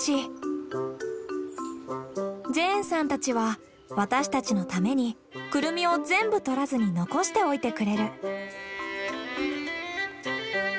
ジェーンさんたちは私たちのためにクルミを全部採らずに残しておいてくれる。